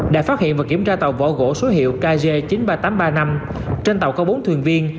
đã phát hiện và kiểm tra tàu vỏ gỗ số hiệu kg chín mươi ba nghìn tám trăm ba mươi năm trên tàu có bốn thuyền viên